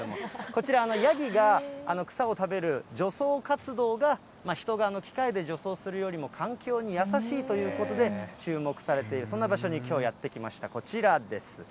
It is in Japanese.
こちら、ヤギが草を食べる除草活動が、人が機械で除草するよりも環境に優しいということで、注目されている、そんな場所にきょうやって来ました、こちらです。